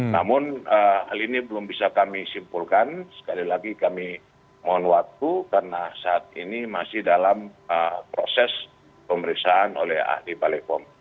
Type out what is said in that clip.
namun hal ini belum bisa kami simpulkan sekali lagi kami mohon waktu karena saat ini masih dalam proses pemeriksaan oleh ahli balai pom